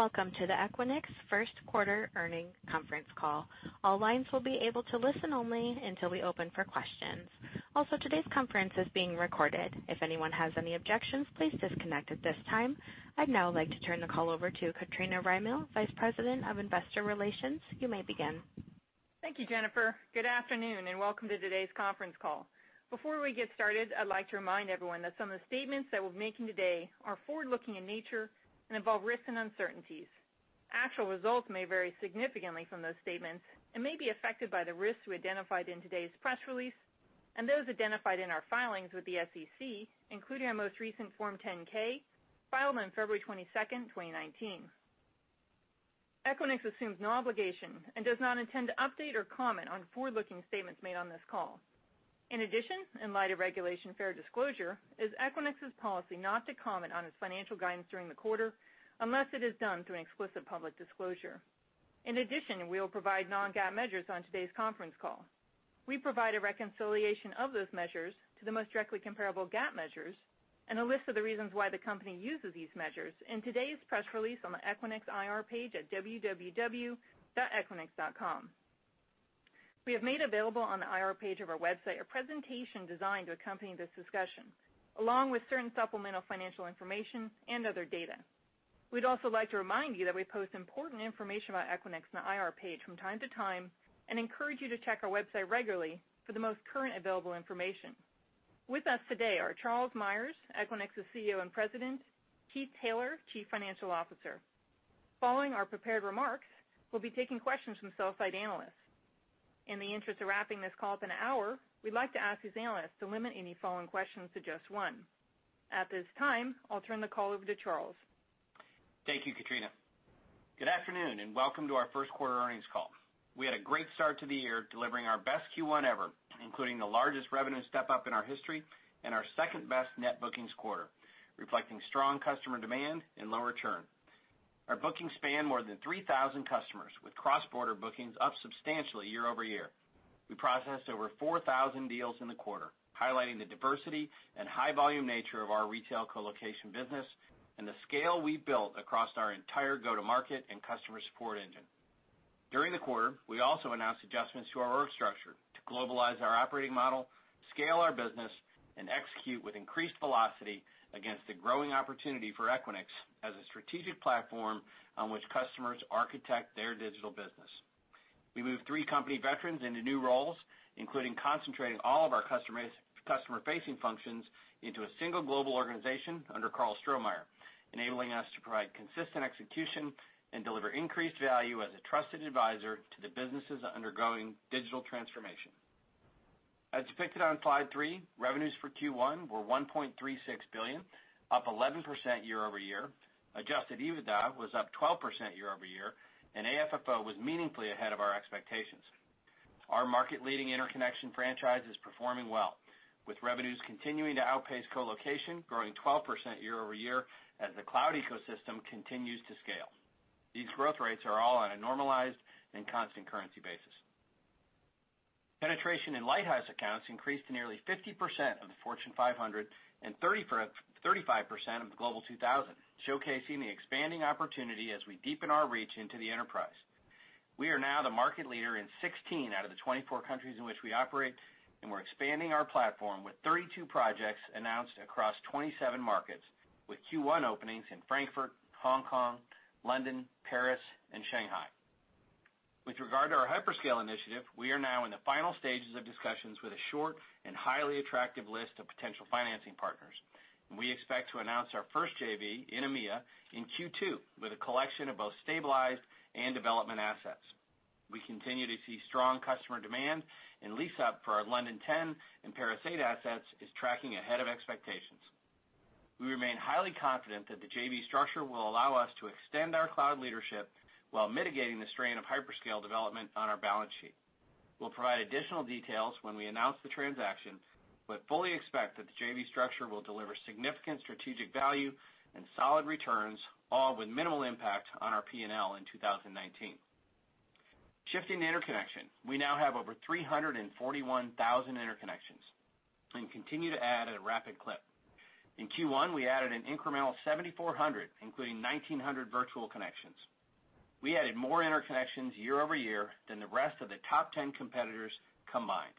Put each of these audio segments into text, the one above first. Welcome to the Equinix first quarter earnings conference call. All lines will be able to listen only until we open for questions. Also, today's conference is being recorded. If anyone has any objections, please disconnect at this time. I'd now like to turn the call over to Katrina Rymill, Vice President of Investor Relations. You may begin. Thank you, Jennifer. Good afternoon, and welcome to today's conference call. Before we get started, I'd like to remind everyone that some of the statements that we're making today are forward-looking in nature and involve risks and uncertainties. Actual results may vary significantly from those statements and may be affected by the risks we identified in today's press release and those identified in our filings with the SEC, including our most recent Form 10-K filed on February 22nd, 2019. Equinix assumes no obligation and does not intend to update or comment on forward-looking statements made on this call. In addition, in light of Regulation Fair Disclosure, it is Equinix's policy not to comment on its financial guidance during the quarter unless it is done through an explicit public disclosure. In addition, we will provide non-GAAP measures on today's conference call. We provide a reconciliation of those measures to the most directly comparable GAAP measures and a list of the reasons why the company uses these measures in today's press release on the Equinix IR page at www.equinix.com. We have made available on the IR page of our website a presentation designed to accompany this discussion, along with certain supplemental financial information and other data. We'd also like to remind you that we post important information about Equinix on the IR page from time to time and encourage you to check our website regularly for the most current available information. With us today are Charles Meyers, Equinix's CEO and President, Keith Taylor, Chief Financial Officer. Following our prepared remarks, we'll be taking questions from sell-side analysts. In the interest of wrapping this call up in an hour, we'd like to ask these analysts to limit any following questions to just one. At this time, I'll turn the call over to Charles. Thank you, Katrina. Good afternoon, and welcome to our first quarter earnings call. We had a great start to the year, delivering our best Q1 ever, including the largest revenue step-up in our history and our second-best net bookings quarter, reflecting strong customer demand and lower churn. Our bookings span more than 3,000 customers, with cross-border bookings up substantially year-over-year. We processed over 4,000 deals in the quarter, highlighting the diversity and high-volume nature of our retail colocation business and the scale we built across our entire go-to-market and customer support engine. During the quarter, we also announced adjustments to our org structure to globalize our operating model, scale our business, and execute with increased velocity against the growing opportunity for Equinix as a strategic platform on which customers architect their digital business. We moved three company veterans into new roles, including concentrating all of our customer-facing functions into a single global organization under Karl Strohmeyer, enabling us to provide consistent execution and deliver increased value as a trusted advisor to the businesses undergoing digital transformation. As depicted on slide three, revenues for Q1 were $1.36 billion, up 11% year-over-year. Adjusted EBITDA was up 12% year-over-year, and AFFO was meaningfully ahead of our expectations. Our market-leading interconnection franchise is performing well, with revenues continuing to outpace colocation, growing 12% year-over-year as the cloud ecosystem continues to scale. These growth rates are all on a normalized and constant currency basis. Penetration in Lighthouse accounts increased to nearly 50% of the Fortune 500 and 35% of the Global 2000, showcasing the expanding opportunity as we deepen our reach into the enterprise. We are now the market leader in 16 out of the 24 countries in which we operate, and we're expanding our platform with 32 projects announced across 27 markets, with Q1 openings in Frankfurt, Hong Kong, London, Paris, and Shanghai. With regard to our hyperscale initiative, we are now in the final stages of discussions with a short and highly attractive list of potential financing partners. We expect to announce our first JV in EMEA in Q2 with a collection of both stabilized and development assets. We continue to see strong customer demand and lease-up for our London 10 and Paris 8 assets is tracking ahead of expectations. We remain highly confident that the JV structure will allow us to extend our cloud leadership while mitigating the strain of hyperscale development on our balance sheet. We'll provide additional details when we announce the transaction, fully expect that the JV structure will deliver significant strategic value and solid returns, all with minimal impact on our P&L in 2019. Shifting to interconnection, we now have over 341,000 interconnections and continue to add at a rapid clip. In Q1, we added an incremental 7,400, including 1,900 virtual connections. We added more interconnections year-over-year than the rest of the top 10 competitors combined.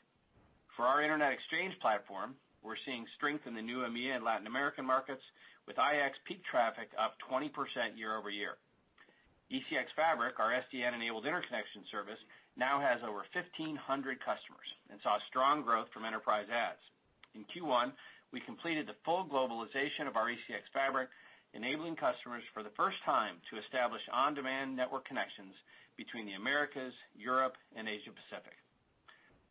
For our Internet Exchange platform, we're seeing strength in the new EMEA and Latin American markets, with IX peak traffic up 20% year-over-year. ECX Fabric, our SDN-enabled interconnection service, now has over 1,500 customers and saw strong growth from enterprise adds. In Q1, we completed the full globalization of our ECX Fabric, enabling customers for the first time to establish on-demand network connections between the Americas, Europe, and Asia Pacific.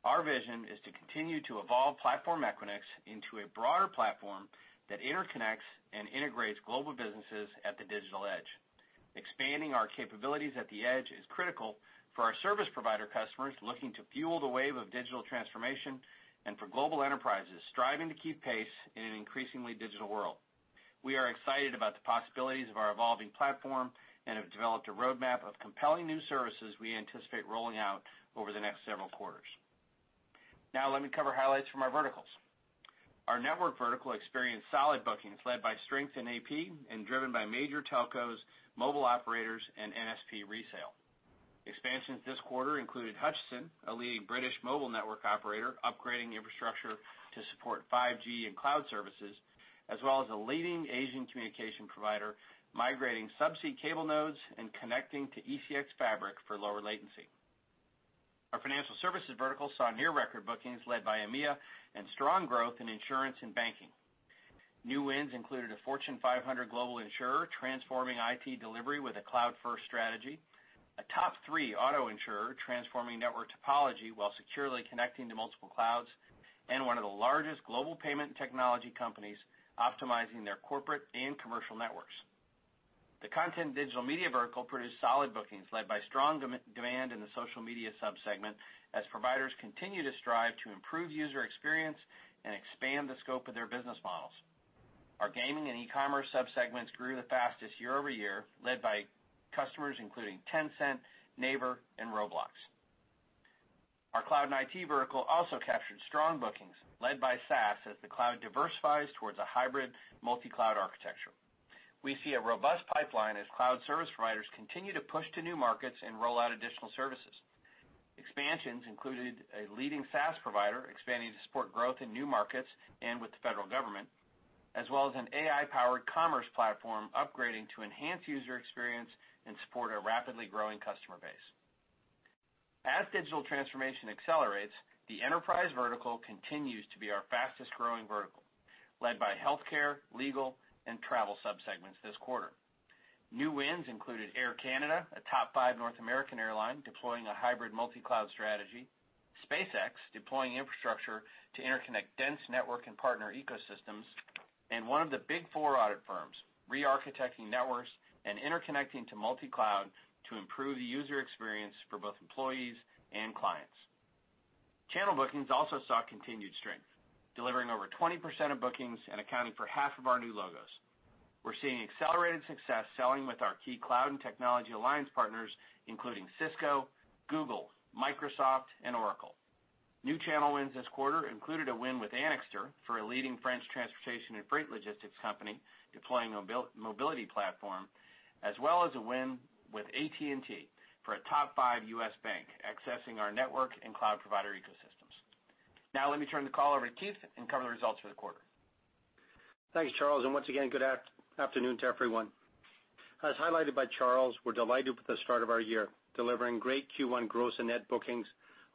Our vision is to continue to evolve Platform Equinix into a broader platform that interconnects and integrates global businesses at the digital edge. Expanding our capabilities at the edge is critical for our service provider customers looking to fuel the wave of digital transformation and for global enterprises striving to keep pace in an increasingly digital world. We are excited about the possibilities of our evolving platform and have developed a roadmap of compelling new services we anticipate rolling out over the next several quarters. Let me cover highlights from our verticals. Our network vertical experienced solid bookings led by strength in APAC and driven by major telcos, mobile operators, and NSP resale. Expansions this quarter included Hutchison, a leading British mobile network operator, upgrading infrastructure to support 5G and cloud services, as well as a leading Asian communication provider migrating subsea cable nodes and connecting to ECX Fabric for lower latency. Our financial services vertical saw near-record bookings led by EMEA and strong growth in insurance and banking. New wins included a Fortune 500 global insurer transforming IT delivery with a cloud-first strategy, a top-3 auto insurer transforming network topology while securely connecting to multiple clouds, and one of the largest global payment and technology companies optimizing their corporate and commercial networks. The content digital media vertical produced solid bookings led by strong demand in the social media sub-segment, as providers continue to strive to improve user experience and expand the scope of their business models. Our gaming and e-commerce sub-segments grew the fastest year-over-year, led by customers including Tencent, Naver, and Roblox. Our cloud and IT vertical also captured strong bookings led by SaaS as the cloud diversifies towards a hybrid multi-cloud architecture. We see a robust pipeline as cloud service providers continue to push to new markets and roll out additional services. Expansions included a leading SaaS provider expanding to support growth in new markets and with the federal government, as well as an AI-powered commerce platform upgrading to enhance user experience and support a rapidly growing customer base. As digital transformation accelerates, the enterprise vertical continues to be our fastest-growing vertical, led by healthcare, legal, and travel sub-segments this quarter. New wins included Air Canada, a top-5 North American airline deploying a hybrid multi-cloud strategy, SpaceX deploying infrastructure to interconnect dense network and partner ecosystems, and one of the Big Four audit firms re-architecting networks and interconnecting to multi-cloud to improve the user experience for both employees and clients. Channel bookings also saw continued strength, delivering over 20% of bookings and accounting for half of our new logos. We're seeing accelerated success selling with our key cloud and technology alliance partners, including Cisco, Google, Microsoft, and Oracle. New channel wins this quarter included a win with Anixter for a leading French transportation and freight logistics company deploying a mobility platform, as well as a win with AT&T for a top-5 U.S. bank accessing our network and cloud provider ecosystems. Let me turn the call over to Keith and cover the results for the quarter. Thanks, Charles, and once again, good afternoon to everyone. As highlighted by Charles, we're delighted with the start of our year, delivering great Q1 gross and net bookings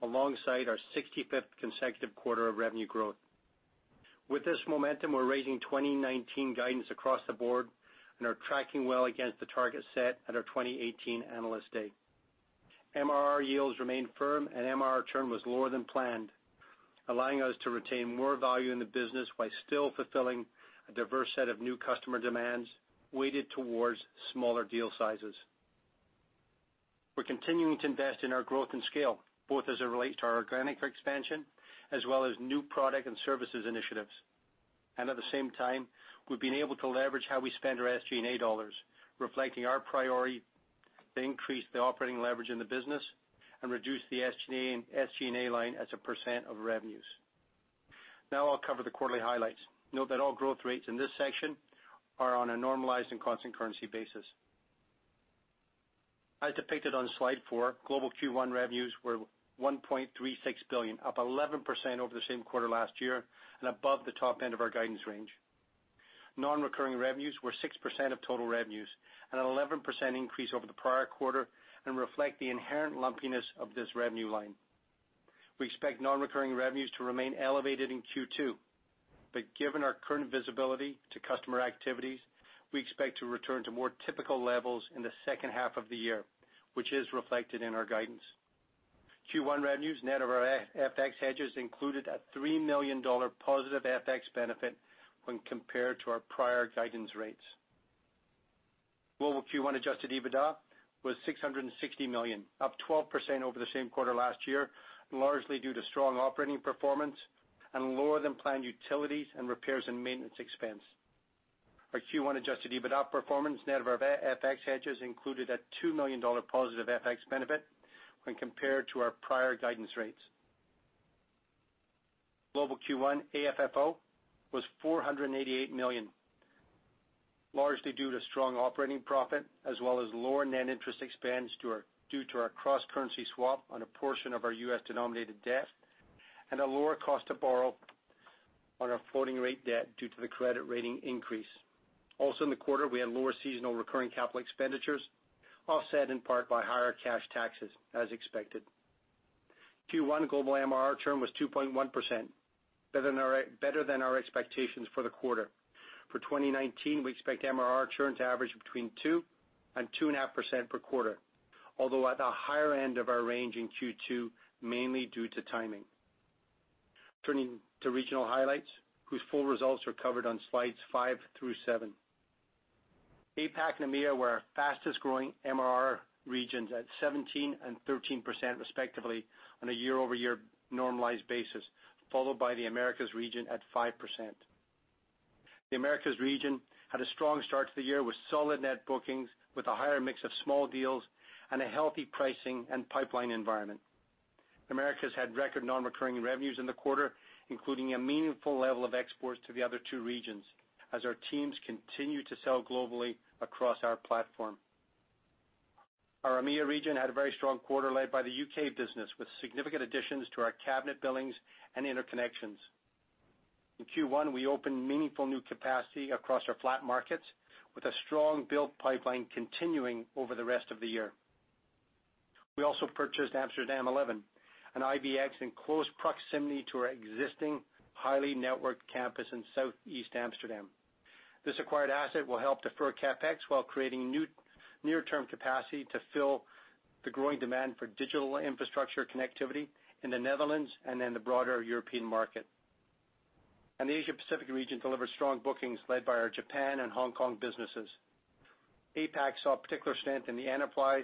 alongside our 65th consecutive quarter of revenue growth. With this momentum, we're raising 2019 guidance across the board and are tracking well against the target set at our 2018 Analyst Day. MRR yields remained firm, and MRR churn was lower than planned, allowing us to retain more value in the business while still fulfilling a diverse set of new customer demands weighted towards smaller deal sizes. We're continuing to invest in our growth and scale, both as it relates to our organic expansion as well as new product and services initiatives. At the same time, we've been able to leverage how we spend our SG&A dollars, reflecting our priority to increase the operating leverage in the business and reduce the SG&A line as a percent of revenues. Now I'll cover the quarterly highlights. Note that all growth rates in this section are on a normalized and constant currency basis. As depicted on slide four, global Q1 revenues were $1.36 billion, up 11% over the same quarter last year and above the top end of our guidance range. Non-recurring revenues were 6% of total revenues, an 11% increase over the prior quarter, and reflect the inherent lumpiness of this revenue line. We expect non-recurring revenues to remain elevated in Q2, but given our current visibility to customer activities, we expect to return to more typical levels in the second half of the year, which is reflected in our guidance. Q1 revenues net of our FX hedges included a $3 million positive FX benefit when compared to our prior guidance rates. Global Q1 adjusted EBITDA was $660 million, up 12% over the same quarter last year, largely due to strong operating performance and lower-than-planned utilities and repairs and maintenance expense. Our Q1 adjusted EBITDA performance net of our FX hedges included a $2 million positive FX benefit when compared to our prior guidance rates. Global Q1 AFFO was $488 million, largely due to strong operating profit as well as lower net interest expense due to our cross-currency swap on a portion of our U.S.-denominated debt and a lower cost to borrow on our floating rate debt due to the credit rating increase. Also in the quarter, we had lower seasonal recurring capital expenditures, offset in part by higher cash taxes as expected. Q1 global MRR churn was 2.1%, better than our expectations for the quarter. For 2019, we expect MRR churn to average between 2%-2.5% per quarter. Although at the higher end of our range in Q2, mainly due to timing. Turning to regional highlights, whose full results are covered on slides five through seven. APAC and EMEA were our fastest-growing MRR regions at 17% and 13% respectively on a year-over-year normalized basis, followed by the Americas region at 5%. The Americas region had a strong start to the year with solid net bookings, with a higher mix of small deals and a healthy pricing and pipeline environment. The Americas had record non-recurring revenues in the quarter, including a meaningful level of exports to the other two regions as our teams continue to sell globally across our platform. Our EMEA region had a very strong quarter led by the U.K. business, with significant additions to our cabinet billings and interconnections. In Q1, we opened meaningful new capacity across our FLAP markets, with a strong build pipeline continuing over the rest of the year. We also purchased Amsterdam 11, an IBX in close proximity to our existing highly networked campus in Southeast Amsterdam. This acquired asset will help defer CapEx while creating near-term capacity to fill the growing demand for digital infrastructure connectivity in the Netherlands and in the broader European market. The Asia Pacific region delivered strong bookings led by our Japan and Hong Kong businesses. APAC saw particular strength in the enterprise,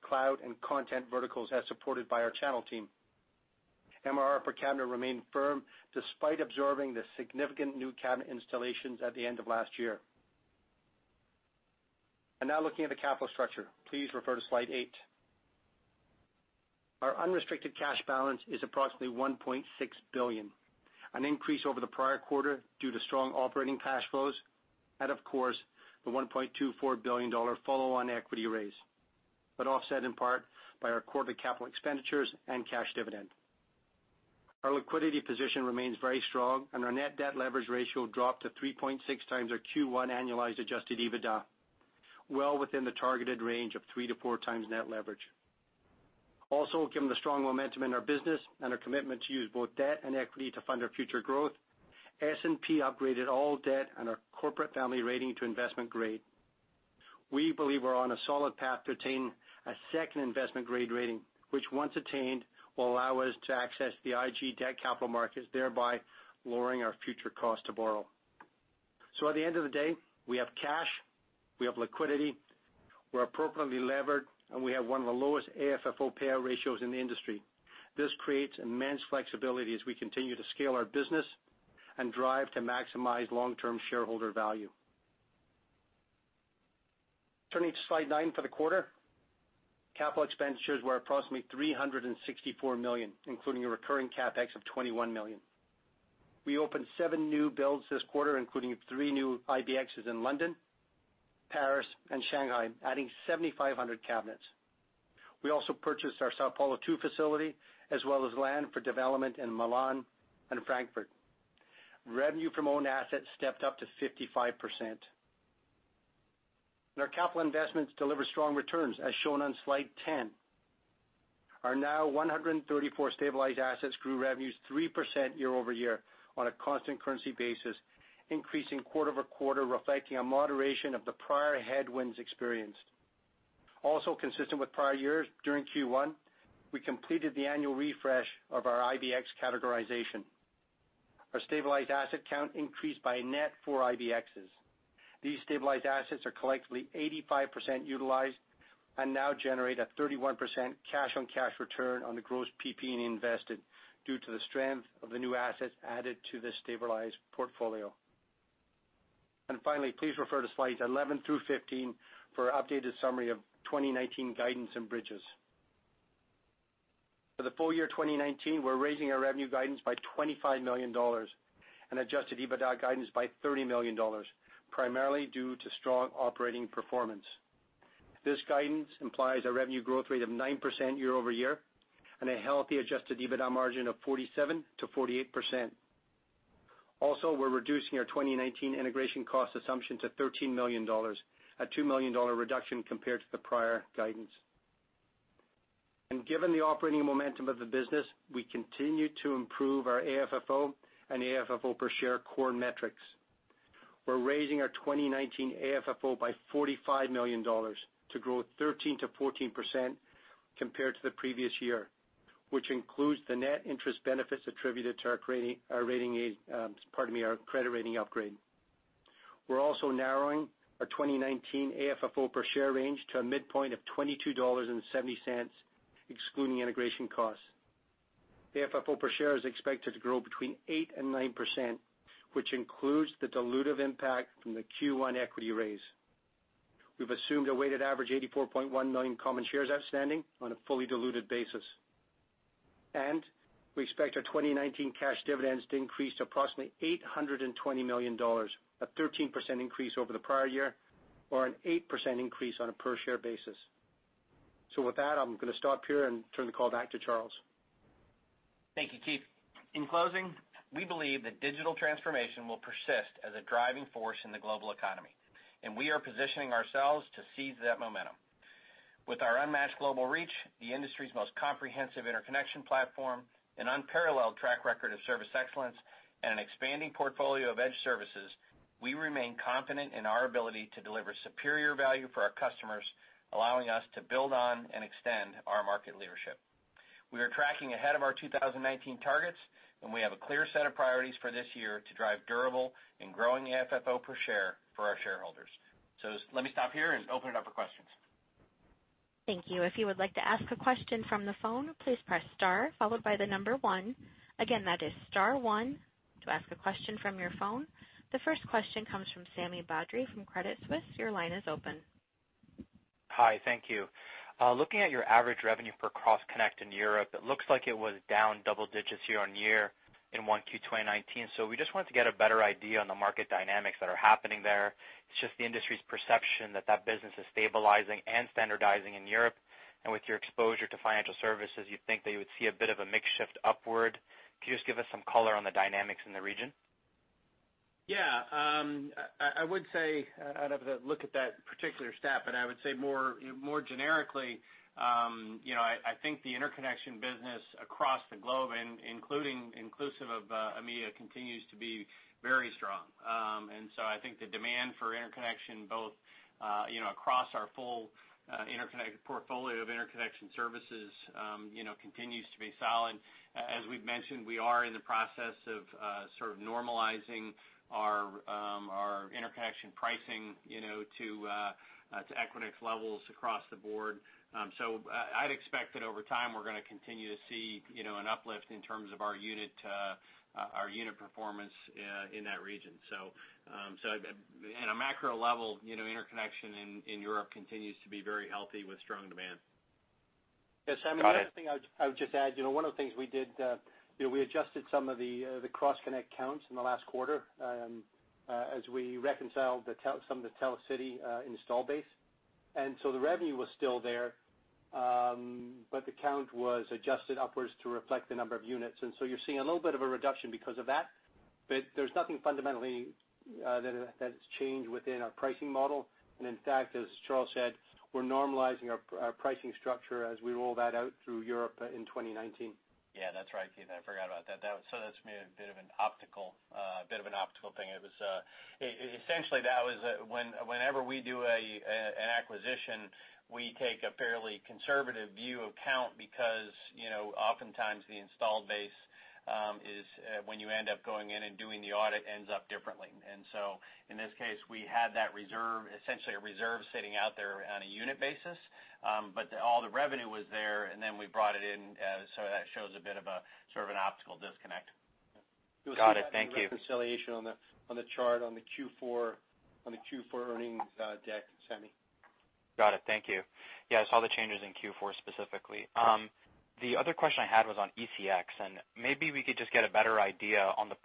cloud, and content verticals as supported by our channel team. MRR per cabinet remained firm despite absorbing the significant new cabinet installations at the end of last year. Now looking at the capital structure. Please refer to slide eight. Our unrestricted cash balance is approximately $1.6 billion, an increase over the prior quarter due to strong operating cash flows, of course, the $1.24 billion follow-on equity raise, but offset in part by our quarterly capital expenditures and cash dividend. Our liquidity position remains very strong, and our net debt leverage ratio dropped to 3.6 times our Q1 annualized adjusted EBITDA, well within the targeted range of three to four times net leverage. Given the strong momentum in our business and our commitment to use both debt and equity to fund our future growth, S&P upgraded all debt and our corporate family rating to investment grade. We believe we're on a solid path to attain a second investment grade rating, which once attained, will allow us to access the IG debt capital markets, thereby lowering our future cost to borrow. At the end of the day, we have cash, we have liquidity, we're appropriately levered, and we have one of the lowest AFFO payout ratios in the industry. This creates immense flexibility as we continue to scale our business and drive to maximize long-term shareholder value. Turning to slide nine for the quarter. Capital expenditures were approximately $364 million, including a recurring CapEx of $21 million. We opened seven new builds this quarter, including three new IBXs in London, Paris, and Shanghai, adding 7,500 cabinets. We also purchased our São Paulo 2 facility, as well as land for development in Milan and Frankfurt. Revenue from owned assets stepped up to 55%. Our capital investments deliver strong returns, as shown on slide 10. Our now 134 stabilized assets grew revenues 3% year-over-year on a constant currency basis, increasing quarter-over-quarter, reflecting a moderation of the prior headwinds experienced. Also consistent with prior years during Q1, we completed the annual refresh of our IBX categorization. Our stabilized asset count increased by a net four IBXs. These stabilized assets are collectively 85% utilized and now generate a 31% cash on cash return on the gross PP&E invested due to the strength of the new assets added to the stabilized portfolio. Finally, please refer to slides 11 through 15 for updated summary of 2019 guidance and bridges. For the full year 2019, we're raising our revenue guidance by $25 million and adjusted EBITDA guidance by $30 million, primarily due to strong operating performance. This guidance implies a revenue growth rate of 9% year-over-year and a healthy adjusted EBITDA margin of 47%-48%. We're reducing our 2019 integration cost assumption to $13 million, a $2 million reduction compared to the prior guidance. Given the operating momentum of the business, we continue to improve our AFFO and AFFO per share core metrics. We're raising our 2019 AFFO by $45 million to grow 13%-14% compared to the previous year, which includes the net interest benefits attributed to our credit rating upgrade. We're also narrowing our 2019 AFFO per share range to a midpoint of $22.70, excluding integration costs. The AFFO per share is expected to grow between 8% and 9%, which includes the dilutive impact from the Q1 equity raise. We've assumed a weighted average 84.1 million common shares outstanding on a fully diluted basis. We expect our 2019 cash dividends to increase to approximately $820 million, a 13% increase over the prior year or an 8% increase on a per share basis. With that, I'm going to stop here and turn the call back to Charles. Thank you, Keith. In closing, we believe that digital transformation will persist as a driving force in the global economy, and we are positioning ourselves to seize that momentum. With our unmatched global reach, the industry's most comprehensive interconnection platform, an unparalleled track record of service excellence, and an expanding portfolio of edge services, we remain confident in our ability to deliver superior value for our customers, allowing us to build on and extend our market leadership. We are tracking ahead of our 2019 targets, and we have a clear set of priorities for this year to drive durable and growing AFFO per share for our shareholders. Let me stop here and open it up for questions. Thank you. If you would like to ask a question from the phone, please press star followed by 1. Again, that is star 1 to ask a question from your phone. The first question comes from Sami Badri from Credit Suisse. Your line is open. Hi. Thank you. Looking at your average revenue per cross-connect in Europe, it looks like it was down double digits year-on-year in 1Q 2019. We just wanted to get a better idea on the market dynamics that are happening there. It's just the industry's perception that that business is stabilizing and standardizing in Europe. With your exposure to financial services, you think that you would see a bit of a mix shift upward. Could you just give us some color on the dynamics in the region? Yeah. I would say, I'd have a look at that particular stat, but I would say more generically, I think the interconnection business across the globe, inclusive of EMEA, continues to be very strong. I think the demand for interconnection both across our full portfolio of interconnection services continues to be solid. As we've mentioned, we are in the process of normalizing our interconnection pricing to Equinix levels across the board. I'd expect that over time, we're going to continue to see an uplift in terms of our unit performance in that region. At a macro level, interconnection in Europe continues to be very healthy with strong demand. Got it. Yeah, Sami, one other thing I would just add. One of the things we did, we adjusted some of the cross-connect counts in the last quarter as we reconciled some of the Telecity install base. The revenue was still there, but the count was adjusted upwards to reflect the number of units. You're seeing a little bit of a reduction because of that, but there's nothing fundamentally that has changed within our pricing model. In fact, as Charles said, we're normalizing our pricing structure as we roll that out through Europe in 2019. Yeah. That's right, Keith. I forgot about that. That's made a bit of an optical thing. Essentially, whenever we do an acquisition, we take a fairly conservative view of count because oftentimes the installed base is when you end up going in and doing the audit ends up differently. In this case, we had that reserve, essentially a reserve sitting out there on a unit basis, but all the revenue was there, and then we brought it in. That shows a bit of an optical disconnect. Got it. Thank you. You'll see that in the reconciliation on the chart on the Q4 earnings deck, Sami. Got it. Thank you. Yeah, I saw the changes in Q4 specifically. The other question I had was on ECX, and maybe we could just get a better idea on the %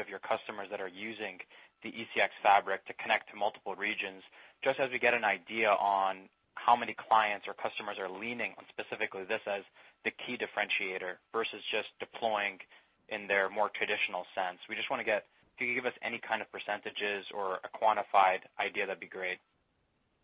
of your customers that are using the ECX Fabric to connect to multiple regions, just as we get an idea on how many clients or customers are leaning on specifically this as the key differentiator versus just deploying in their more traditional sense. If you could give us any kind of %s or a quantified idea, that'd be great.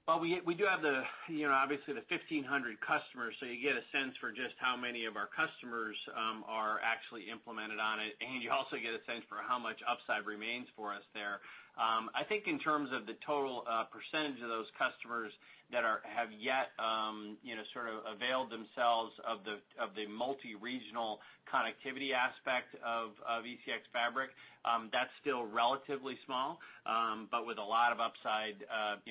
We do have obviously the 1,500 customers, you get a sense for just how many of our customers are actually implemented on it, you also get a sense for how much upside remains for us there. I think in terms of the total percentage of those customers that have yet availed themselves of the multi-regional connectivity aspect of ECX Fabric, that's still relatively small, with a lot of upside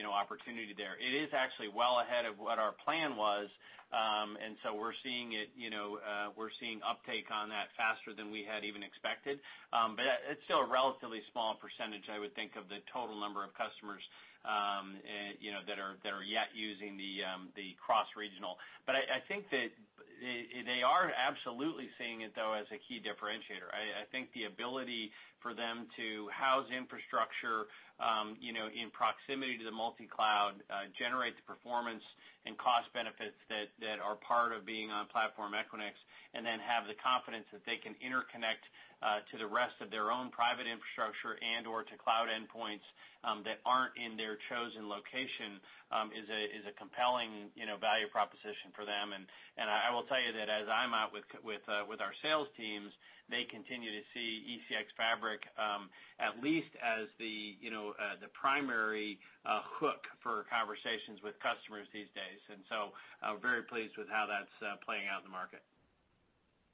opportunity there. It is actually well ahead of what our plan was, we're seeing uptake on that faster than we had even expected. It's still a relatively small percentage, I would think, of the total number of customers that are yet using the cross-regional. I think that they are absolutely seeing it, though, as a key differentiator. I think the ability for them to house infrastructure in proximity to the multi-cloud generates the performance and cost benefits that are part of being on Platform Equinix, then have the confidence that they can interconnect to the rest of their own private infrastructure and/or to cloud endpoints that aren't in their chosen location is a compelling value proposition for them. I will tell you that as I'm out with our sales teams, they continue to see ECX Fabric at least as the primary hook for conversations with customers these days. I'm very pleased with how that's playing out in the market.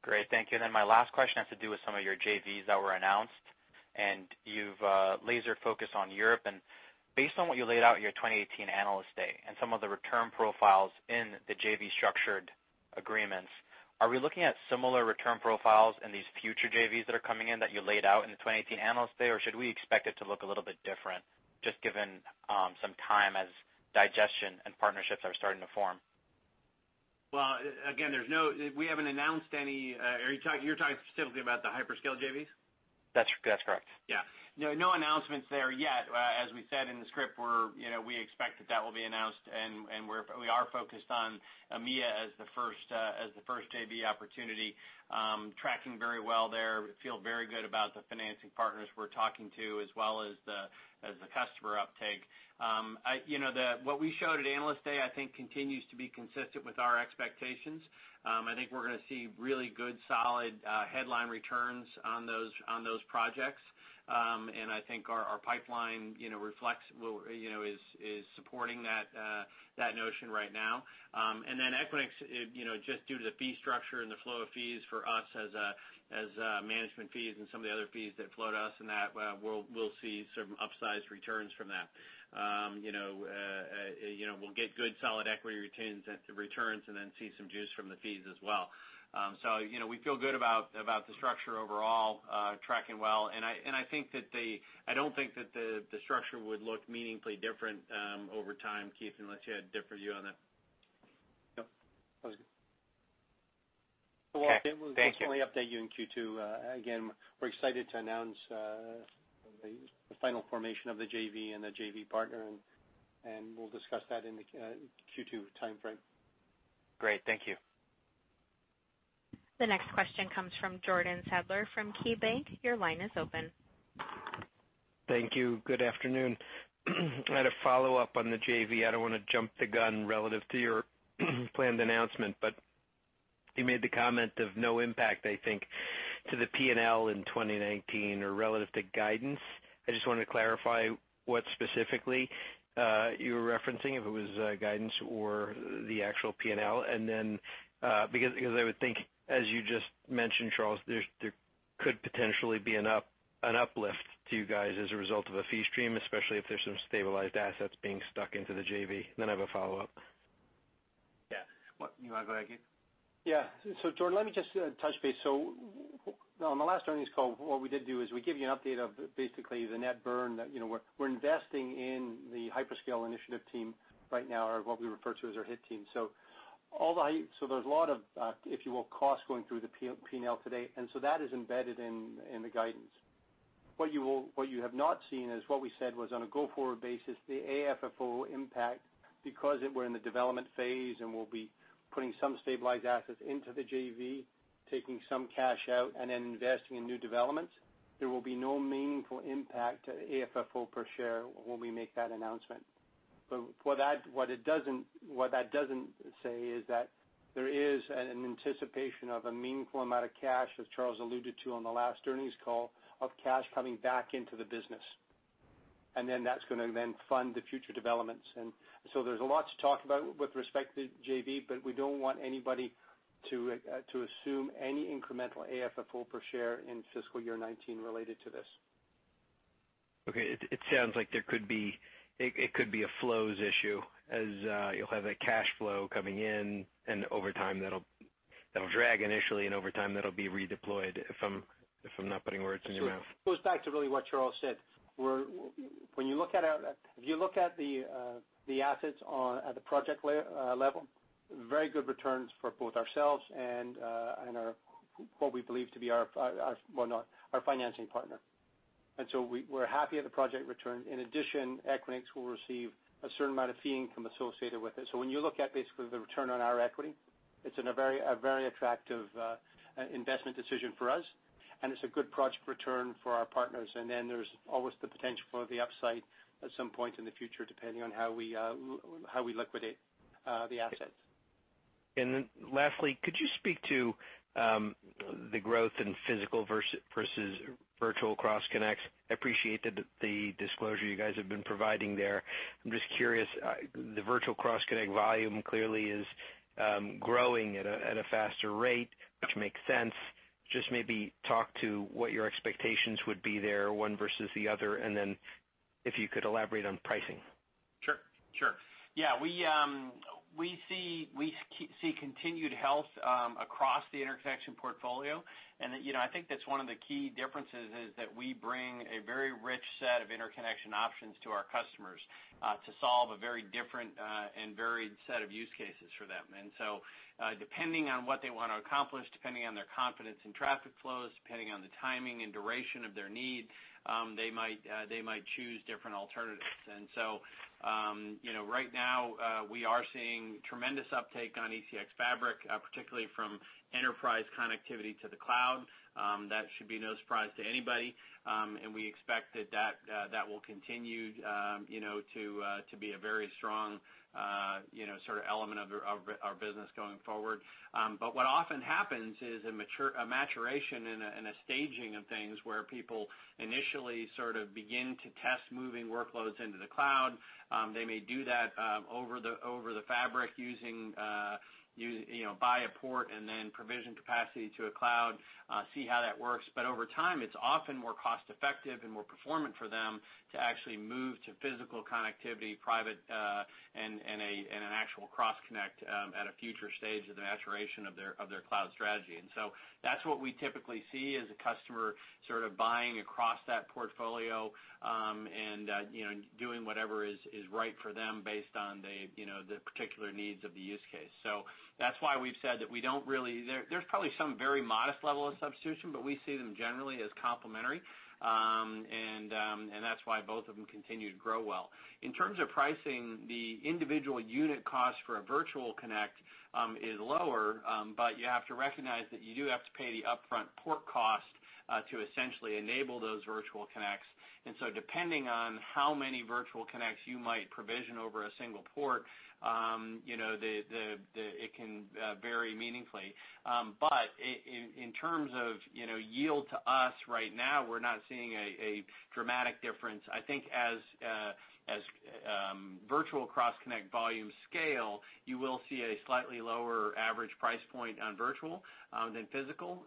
Great. Thank you. My last question has to do with some of your JVs that were announced, you've laser-focused on Europe. Based on what you laid out in your 2018 Analyst Day and some of the return profiles in the JV-structured agreements, are we looking at similar return profiles in these future JVs that are coming in that you laid out in the 2018 Analyst Day, should we expect it to look a little bit different, just given some time as digestion and partnerships are starting to form? Again, we haven't announced. You're talking specifically about the hyperscale JVs? That's correct. No announcements there yet. As we said in the script, we expect that that will be announced, and we are focused on EMEA as the first JV opportunity. Tracking very well there. Feel very good about the financing partners we're talking to as well as the customer uptake. What we showed at Analyst Day I think continues to be consistent with our expectations. I think we're going to see really good, solid headline returns on those projects. I think our pipeline is supporting that notion right now. Equinix, just due to the fee structure and the flow of fees for us as management fees and some of the other fees that flow to us and that, we'll see some upsized returns from that. We'll get good, solid equity returns and then see some juice from the fees as well. We feel good about the structure overall, tracking well, and I don't think that the structure would look meaningfully different over time. Keith, unless you had a different view on that. No. That was good. Okay. Thank you. We'll certainly update you in Q2. Again, we're excited to announce, the final formation of the JV and the JV partner, and we'll discuss that in the Q2 timeframe. Great. Thank you. The next question comes from Jordan Sadler from KeyBanc. Your line is open. Thank you. Good afternoon. I had a follow-up on the JV. I don't want to jump the gun relative to your planned announcement, but you made the comment of no impact, I think, to the P&L in 2019 or relative to guidance. I just wanted to clarify what specifically you were referencing, if it was guidance or the actual P&L. Because I would think, as you just mentioned, Charles, there could potentially be an uplift to you guys as a result of a fee stream, especially if there's some stabilized assets being stuck into the JV. I have a follow-up. Yeah. You want to go ahead, Keith? Yeah. Jordan, let me just touch base. On the last earnings call, what we did do is we give you an update of basically the net burn. We're investing in the hyperscale initiative team right now, or what we refer to as our HIT team. There's a lot of, if you will, cost going through the P&L to date, that is embedded in the guidance. What you have not seen is what we said was on a go-forward basis, the AFFO impact, because we're in the development phase and we'll be putting some stabilized assets into the JV, taking some cash out and then investing in new developments. There will be no meaningful impact to AFFO per share when we make that announcement. What that doesn't say is that there is an anticipation of a meaningful amount of cash, as Charles alluded to on the last earnings call, of cash coming back into the business, that's going to then fund the future developments. There's a lot to talk about with respect to JV, but we don't want anybody to assume any incremental AFFO per share in fiscal year 2019 related to this. Okay. It sounds like there it could be a flows issue, as you'll have a cash flow coming in, and over time that'll drag initially, and over time, that'll be redeployed, if I'm not putting words in your mouth. Sure. It goes back to really what Charles said. If you look at the assets at the project level, very good returns for both ourselves and what we believe to be our financing partner. We're happy at the project return. In addition, Equinix will receive a certain amount of fee income associated with it. When you look at basically the return on our equity, it's in a very attractive investment decision for us, and it's a good project return for our partners. There's always the potential for the upside at some point in the future, depending on how we liquidate the assets. Lastly, could you speak to the growth in physical versus virtual Cross Connects? I appreciate the disclosure you guys have been providing there. I'm just curious. The virtual Cross Connect volume clearly is growing at a faster rate, which makes sense. Just maybe talk to what your expectations would be there, one versus the other, and then if you could elaborate on pricing. Sure. Yeah, we see continued health across the interconnection portfolio. I think that's one of the key differences is that we bring a very rich set of interconnection options to our customers, to solve a very different and varied set of use cases for them. Depending on what they want to accomplish, depending on their confidence in traffic flows, depending on the timing and duration of their need, they might choose different alternatives. Right now, we are seeing tremendous uptake on ECX Fabric, particularly from enterprise connectivity to the cloud. That should be no surprise to anybody. We expect that that will continue to be a very strong element of our business going forward. What often happens is a maturation and a staging of things where people initially begin to test moving workloads into the cloud. They may do that over the Fabric using buy a port and then provision capacity to a cloud, see how that works. Over time, it's often more cost-effective and more performant for them to actually move to physical connectivity private and an actual Cross Connect at a future stage of the maturation of their cloud strategy. That's what we typically see as a customer buying across that portfolio, and doing whatever is right for them based on the particular needs of the use case. That's why we've said that we don't really. There's probably some very modest level of substitution, but we see them generally as complementary. That's why both of them continue to grow well. In terms of pricing, the individual unit cost for a virtual connect is lower. You have to recognize that you do have to pay the upfront port cost to essentially enable those virtual connects. Depending on how many virtual connects you might provision over a single port, in terms of yield to us right now, we're not seeing a dramatic difference. I think as virtual Cross Connect volume scale, you will see a slightly lower average price point on virtual than physical.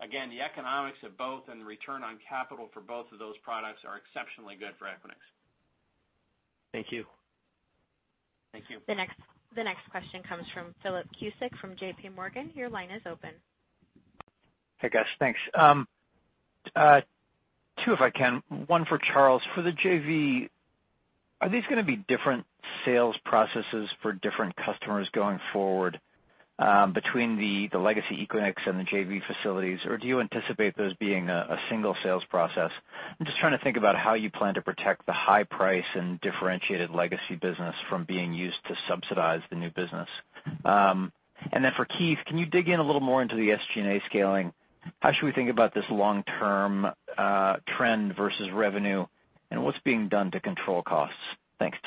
Again, the economics of both and the return on capital for both of those products are exceptionally good for Equinix. Thank you. Thank you. The next question comes from Philip Cusick from JPMorgan. Your line is open. Hey, guys. Thanks. Two, if I can, one for Charles. For the JV, are these going to be different sales processes for different customers going forward between the legacy Equinix and the JV facilities? Or do you anticipate those being a single sales process? I'm just trying to think about how you plan to protect the high price and differentiated legacy business from being used to subsidize the new business. Then for Keith, can you dig in a little more into the SG&A scaling? How should we think about this long-term trend versus revenue, and what's being done to control costs? Thanks.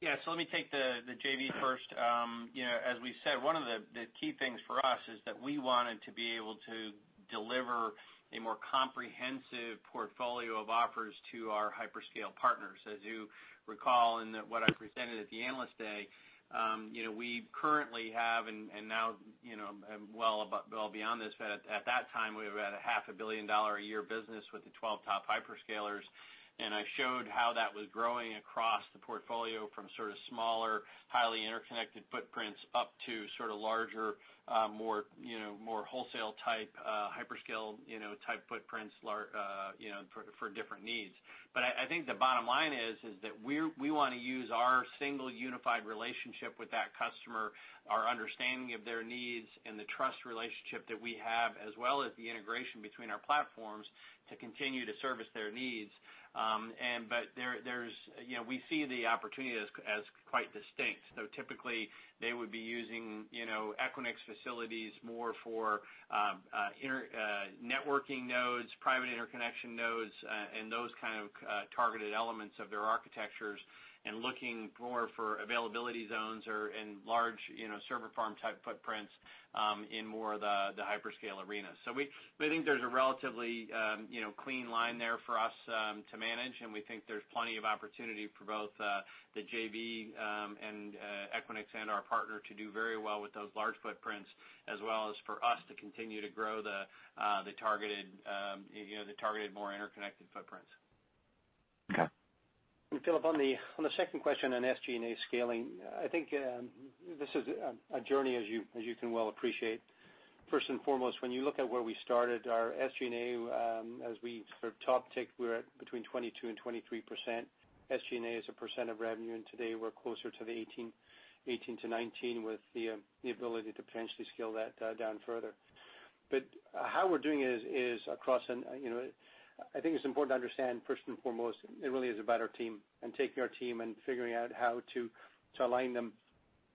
Yeah. Let me take the JV first. As we said, one of the key things for us is that we wanted to be able to deliver a more comprehensive portfolio of offers to our hyperscale partners. As you recall in what I presented at the Analyst Day, we currently have, and now well beyond this, but at that time, we were at a half a billion dollar a year business with the 12 top hyperscalers, I showed how that was growing across the portfolio from sort of smaller, highly interconnected footprints up to larger, more wholesale type, hyperscale type footprints for different needs. I think the bottom line is that we want to use our single unified relationship with that customer, our understanding of their needs, and the trust relationship that we have, as well as the integration between our platforms to continue to service their needs. We see the opportunity as quite distinct. Typically, they would be using Equinix facilities more for networking nodes, private interconnection nodes, and those kind of targeted elements of their architectures, looking more for availability zones or in large server farm type footprints in more of the hyperscale arena. We think there's a relatively clean line there for us to manage, and we think there's plenty of opportunity for both the JV and Equinix and our partner to do very well with those large footprints, as well as for us to continue to grow the targeted more interconnected footprints. Okay. Philip, on the second question on SG&A scaling, I think this is a journey as you can well appreciate. First and foremost, when you look at where we started our SG&A, as we sort of top tick, we were at between 22%-23% SG&A as a % of revenue, today we're closer to the 18%-19% with the ability to potentially scale that down further. How we're doing is across, I think it's important to understand, first and foremost, it really is about our team and taking our team and figuring out how to align them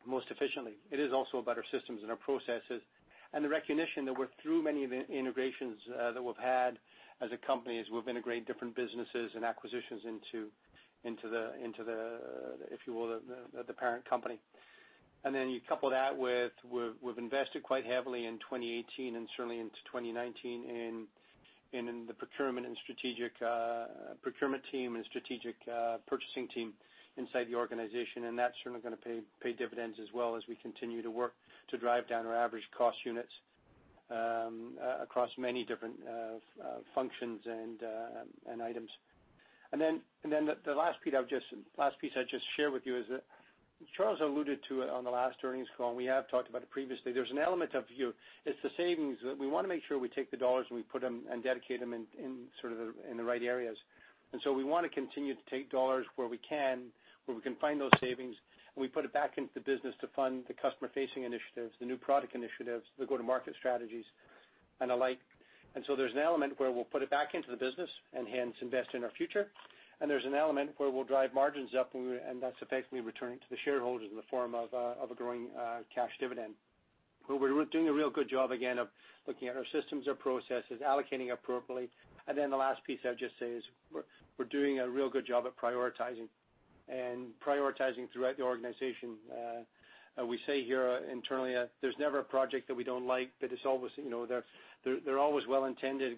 most efficiently. It is also about our systems and our processes and the recognition that we're through many of the integrations that we've had as a company, as we've integrated different businesses and acquisitions into the, if you will, the parent company. You couple that with, we've invested quite heavily in 2018 and certainly into 2019 in the procurement team and strategic purchasing team inside the organization, that's certainly going to pay dividends as well as we continue to work to drive down our average cost units across many different functions and items. The last piece I'd just share with you is that Charles alluded to it on the last earnings call, we have talked about it previously. There's an element of view. It's the savings. We want to make sure we take the dollars, and we put them and dedicate them in the right areas. We want to continue to take dollars where we can, where we can find those savings, and we put it back into the business to fund the customer-facing initiatives, the new product initiatives, the go-to-market strategies, and the like. There's an element where we'll put it back into the business and hence invest in our future. There's an element where we'll drive margins up, and that's effectively returning to the shareholders in the form of a growing cash dividend. We're doing a real good job, again, of looking at our systems, our processes, allocating appropriately. The last piece I'd just say is we're doing a real good job at prioritizing. Prioritizing throughout the organization. We say here internally that there's never a project that we don't like, but they're always well-intended.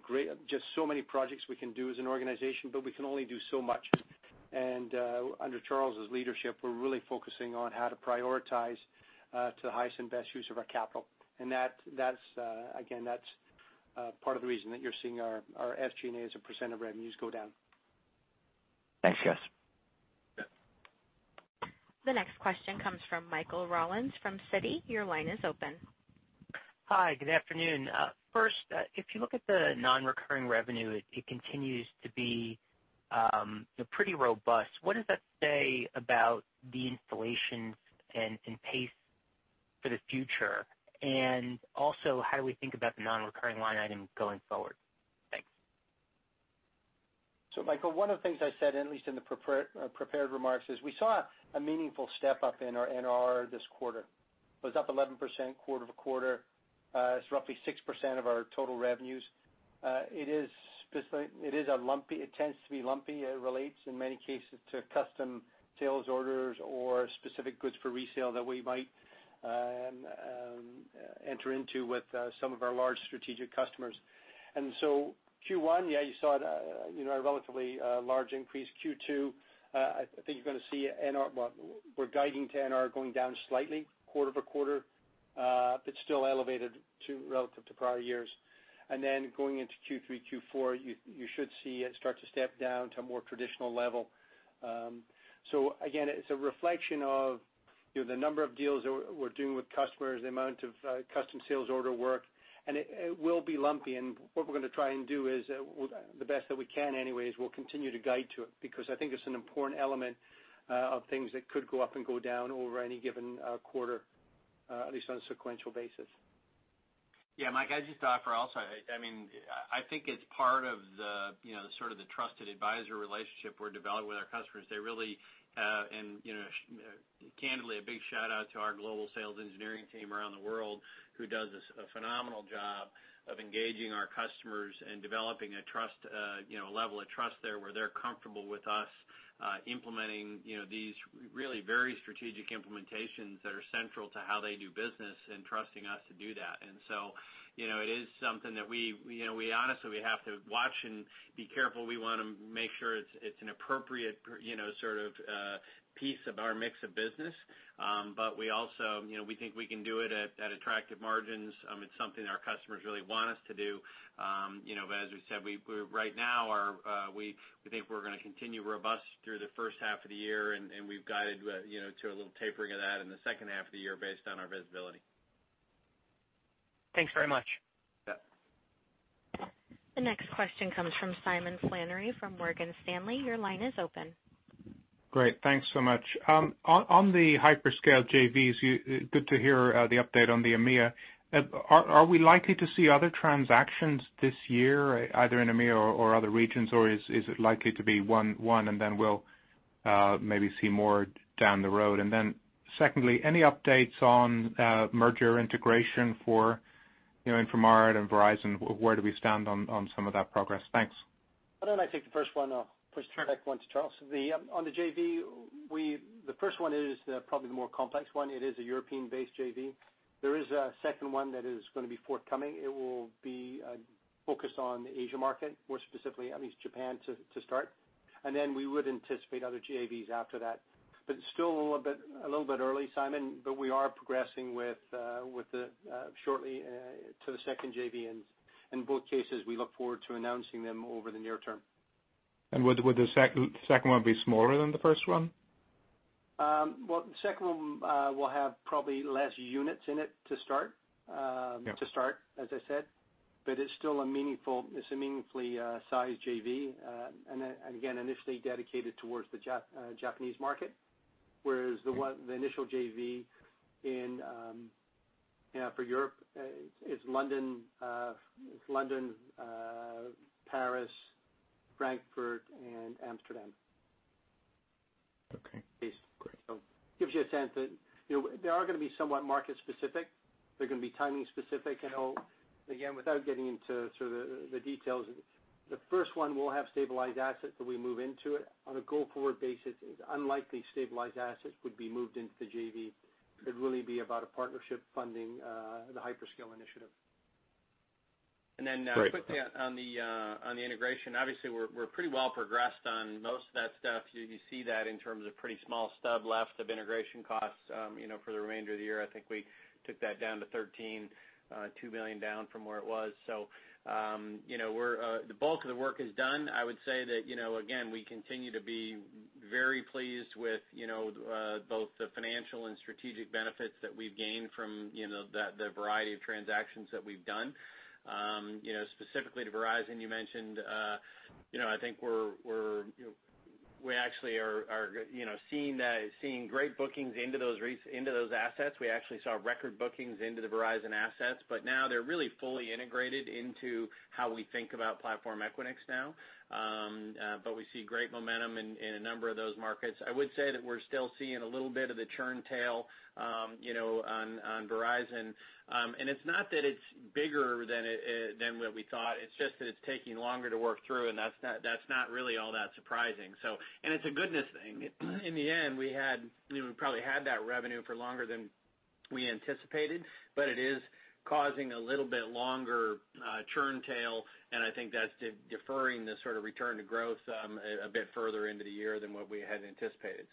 Just so many projects we can do as an organization, but we can only do so much. Under Charles' leadership, we're really focusing on how to prioritize to the highest and best use of our capital. Again, that's part of the reason that you're seeing our SG&A as a % of revenues go down. Thanks, guys. The next question comes from Michael Rollins from Citi. Your line is open. Hi, good afternoon. If you look at the non-recurring revenue, it continues to be pretty robust. What does that say about the installations and pace for the future? Also, how do we think about the non-recurring line item going forward? Thanks. Michael, one of the things I said, at least in the prepared remarks, is we saw a meaningful step-up in our NR this quarter. It was up 11% quarter-over-quarter. It's roughly 6% of our total revenues. It tends to be lumpy. It relates, in many cases, to custom sales orders or specific goods for resale that we might enter into with some of our large strategic customers. Q1, yeah, you saw a relatively large increase. Q2, I think you're going to see Well, we're guiding to NR going down slightly quarter-over-quarter. It's still elevated relative to prior years. Going into Q3, Q4, you should see it start to step down to a more traditional level. Again, it's a reflection of the number of deals that we're doing with customers, the amount of custom sales order work, and it will be lumpy. What we're going to try and do is, the best that we can anyway, is we'll continue to guide to it, because I think it's an important element of things that could go up and go down over any given quarter, at least on a sequential basis. Yeah, Mike, I'd just offer also, I think it's part of the sort of the trusted advisor relationship we're developing with our customers. Candidly, a big shout-out to our global sales engineering team around the world who does a phenomenal job of engaging our customers and developing a level of trust there where they're comfortable with us implementing these really very strategic implementations that are central to how they do business and trusting us to do that. It is something that we honestly have to watch and be careful. We want to make sure it's an appropriate piece of our mix of business. We also think we can do it at attractive margins. It's something our customers really want us to do. As we said, right now, we think we're going to continue robust through the first half of the year. We've guided to a little tapering of that in the second half of the year based on our visibility. Thanks very much. Yep. The next question comes from Simon Flannery from Morgan Stanley. Your line is open. Great. Thanks so much. On the hyperscale JVs, good to hear the update on the EMEA. Are we likely to see other transactions this year, either in EMEA or other regions, or is it likely to be one, and then we'll maybe see more down the road? Secondly, any updates on merger integration for Infomart and Verizon? Where do we stand on some of that progress? Thanks. Why don't I take the first one? I'll push back one to Charles. On the JV, the first one is probably the more complex one. It is a European-based JV. There is a second one that is going to be forthcoming. It will be focused on the Asia market, more specifically, at least Japan to start. We would anticipate other JVs after that. It's still a little bit early, Simon, but we are progressing with it shortly to the second JV, and in both cases, we look forward to announcing them over the near term. Would the second one be smaller than the first one? The second one will have probably less units in it to start. Yeah To start, as I said. It's still a meaningfully sized JV, and again, initially dedicated towards the Japanese market, whereas the initial JV for Europe is London, Paris, Frankfurt, and Amsterdam. Okay. Great. Gives you a sense that they are going to be somewhat market specific. They're going to be timing specific, and again, without getting into sort of the details, the first one will have stabilized assets when we move into it. On a go-forward basis, it's unlikely stabilized assets would be moved into the JV. It'd really be about a partnership funding the hyperscale initiative. Great. Quickly on the integration, obviously, we're pretty well progressed on most of that stuff. You see that in terms of pretty small stub left of integration costs for the remainder of the year. I think we took that down to $13.2 million down from where it was. The bulk of the work is done. I would say that, again, we continue to be very pleased with both the financial and strategic benefits that we've gained from the variety of transactions that we've done. Specifically to Verizon, you mentioned, I think we actually are seeing great bookings into those assets. We actually saw record bookings into the Verizon assets, but now they're really fully integrated into how we think about Platform Equinix now. We see great momentum in a number of those markets. I would say that we're still seeing a little bit of the churn tail on Verizon. It's not that it's bigger than what we thought, it's just that it's taking longer to work through, and that's not really all that surprising, and it's a goodness thing. In the end, we probably had that revenue for longer than we anticipated, but it is causing a little bit longer churn tail, and I think that's deferring the sort of return to growth a bit further into the year than what we had anticipated.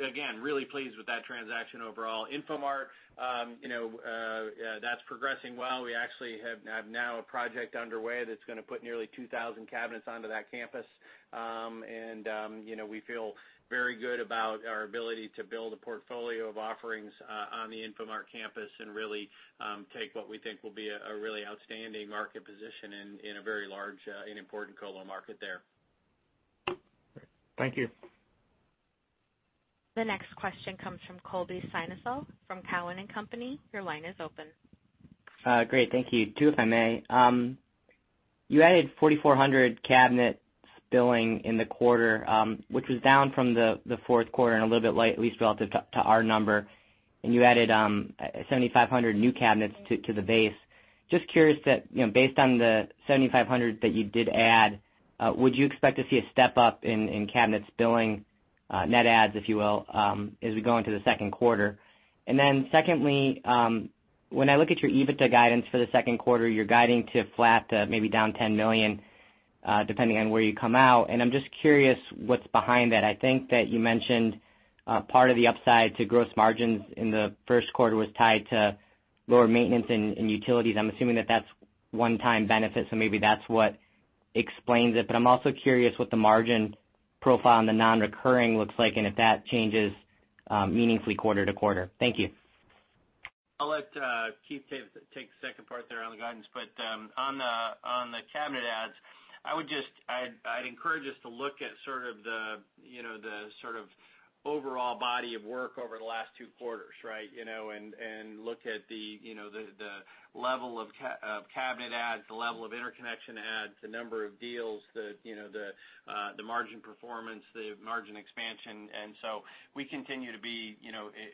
Again, really pleased with that transaction overall. Infomart, that's progressing well. We actually have now a project underway that's going to put nearly 2,000 cabinets onto that campus. We feel very good about our ability to build a portfolio of offerings on the Infomart campus and really take what we think will be a really outstanding market position in a very large and important colo market there. Thank you. The next question comes from Colby Synesael from Cowen and Company. Your line is open. Great. Thank you. Two, if I may. You added 4,400 cabinet billing in the quarter, which was down from the fourth quarter and a little bit light, at least relative to our number. You added 7,500 new cabinets to the base. Just curious that based on the 7,500 that you did add, would you expect to see a step up in cabinets billing net adds, if you will, as we go into the second quarter? Secondly, when I look at your EBITDA guidance for the second quarter, you're guiding to flat to maybe down $10 million, depending on where you come out. I'm just curious what's behind that. I think that you mentioned part of the upside to gross margins in the first quarter was tied to lower maintenance and utilities. I'm assuming that that's one-time benefit, so maybe that's what explains it. I'm also curious what the margin profile on the non-recurring looks like and if that changes meaningfully quarter-to-quarter. Thank you. I'll let Keith take the second part there on the guidance. On the cabinet adds, I'd encourage us to look at the sort of overall body of work over the last two quarters, right? Look at the level of cabinet adds, the level of interconnection adds, the number of deals, the margin performance, the margin expansion. We continue to be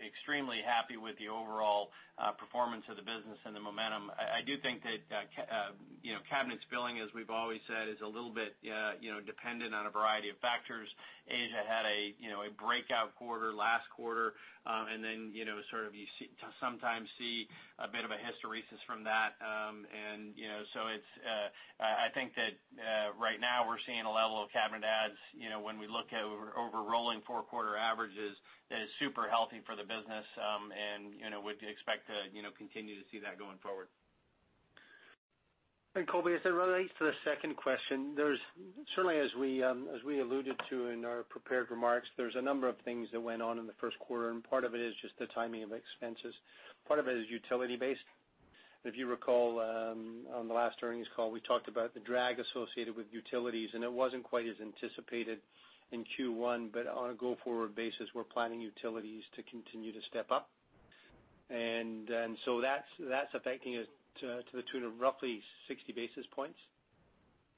extremely happy with the overall performance of the business and the momentum. I do think that cabinets billing, as we've always said, is a little bit dependent on a variety of factors. Asia had a breakout quarter last quarter. Then, you sometimes see a bit of a hysteresis from that. I think that right now we're seeing a level of cabinet adds when we look at over rolling 4 quarter averages, that is super healthy for the business, and would expect to continue to see that going forward. Colby Synesael, as it relates to the second question, certainly as we alluded to in our prepared remarks, there's a number of things that went on in the first quarter, and part of it is just the timing of expenses. Part of it is utility based. If you recall, on the last earnings call, we talked about the drag associated with utilities, and it wasn't quite as anticipated in Q1, but on a go forward basis, we're planning utilities to continue to step up. That's affecting us to the tune of roughly 60 basis points.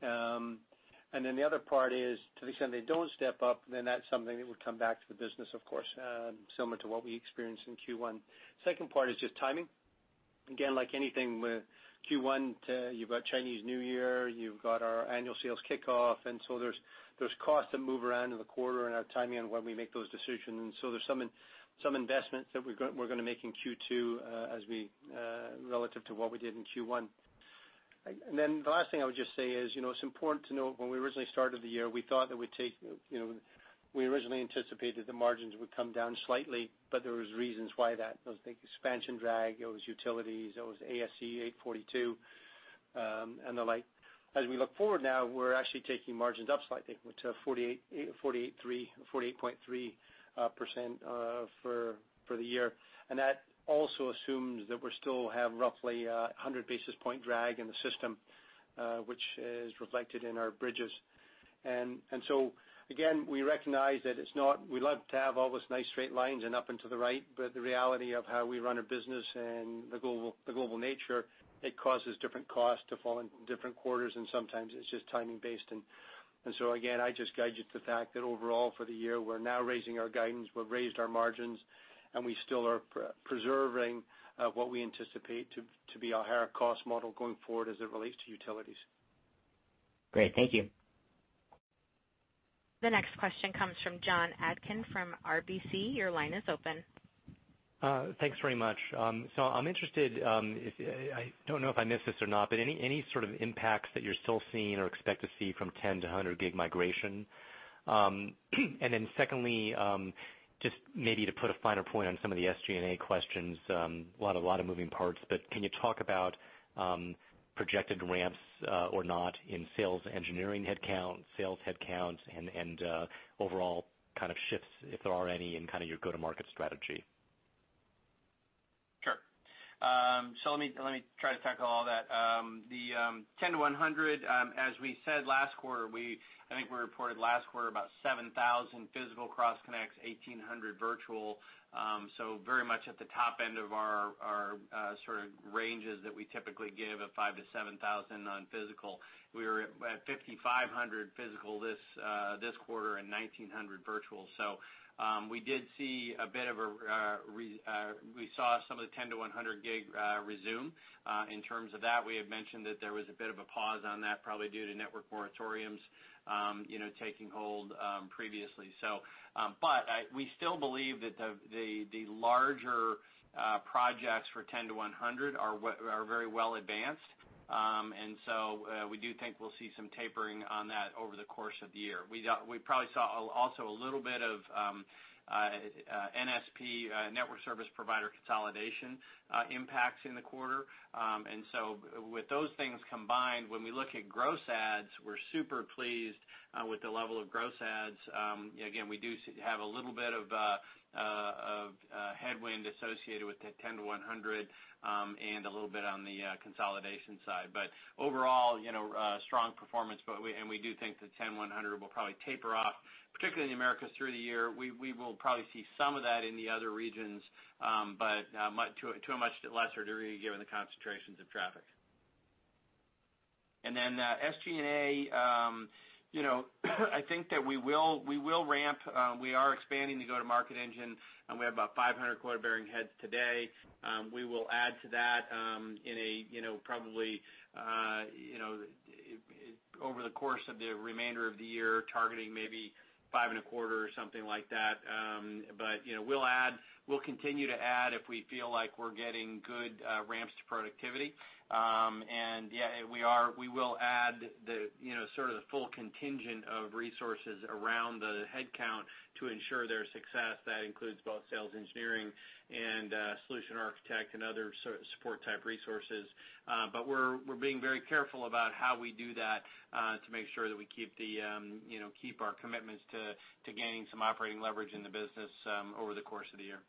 The other part is to the extent they don't step up, then that's something that would come back to the business, of course, similar to what we experienced in Q1. Second part is just timing. Again, like anything with Q1, you've got Chinese New Year, you've got our annual sales kickoff, there's costs that move around in the quarter and our timing on when we make those decisions. There's some investments that we're going to make in Q2 relative to what we did in Q1. The last thing I would just say is, it's important to note when we originally started the year, we originally anticipated the margins would come down slightly, but there was reasons why that. There was the expansion drag, there was utilities, there was ASC 842, and the like. As we look forward now, we're actually taking margins up slightly to 48.3% for the year. That also assumes that we still have roughly 100 basis point drag in the system, which is reflected in our bridges. Again, we recognize that we love to have all those nice straight lines and up and to the right, but the reality of how we run a business and the global nature, it causes different costs to fall in different quarters, and sometimes it's just timing based. Again, I just guide you to the fact that overall for the year, we're now raising our guidance. We've raised our margins, and we still are preserving what we anticipate to be a higher cost model going forward as it relates to utilities. Great. Thank you. The next question comes from Jon Atkin from RBC. Your line is open. Thanks very much. I'm interested, I don't know if I missed this or not, but any sort of impacts that you're still seeing or expect to see from 10 to 100 gig migration? Secondly, just maybe to put a finer point on some of the SG&A questions, a lot of moving parts, but can you talk about projected ramps or not in sales engineering headcount, sales headcount, and overall kind of shifts, if there are any, in your go-to-market strategy? Sure. Let me try to tackle all that. The 10 to 100, as we said last quarter, I think we reported last quarter about 7,000 physical cross connects, 1,800 virtual. Very much at the top end of our sort of ranges that we typically give of 5,000-7,000 on physical. We were at 5,500 physical this quarter and 1,900 virtual. We saw some of the 10 to 100 gig resume. In terms of that, we had mentioned that there was a bit of a pause on that, probably due to network moratoriums taking hold previously. We still believe that the larger projects for 10 to 100 are very well advanced. We do think we'll see some tapering on that over the course of the year. We probably saw also a little bit of NSP, network service provider consolidation impacts in the quarter. With those things combined, when we look at gross adds, we're super pleased with the level of gross adds. Again, we do have a little bit of headwind associated with the 10-100, and a little bit on the consolidation side. Overall, strong performance, we do think the 10-100 will probably taper off, particularly in the Americas through the year. We will probably see some of that in the other regions, but to a much lesser degree given the concentrations of traffic. SG&A, I think that we will ramp. We are expanding the go-to-market engine, we have about 500 quota-bearing heads today. We will add to that probably over the course of the remainder of the year, targeting maybe 5.25 or something like that. We'll continue to add if we feel like we're getting good ramps to productivity. Yeah, we will add the full contingent of resources around the headcount to ensure their success. That includes both sales engineering and solution architect and other support-type resources. We're being very careful about how we do that to make sure that we keep our commitments to gaining some operating leverage in the business over the course of the year.